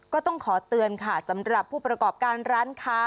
ก็ต้องขอเตือนค่ะสำหรับผู้ประกอบการร้านค้า